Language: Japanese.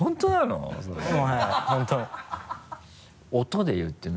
音で言ってるの？